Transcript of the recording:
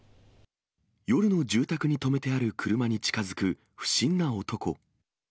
夜の住宅に止めてある車に近づく不審な男。